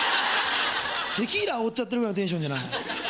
テキーラあおっちゃってるぐらいのテンションじゃない。